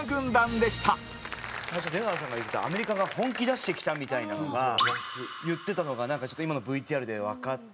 最初出川さんが言ってた「アメリカが本気出してきた」みたいなのが言ってたのがちょっと今のＶＴＲでわかって。